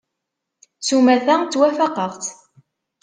S umata, ttwafaqeɣ-tt.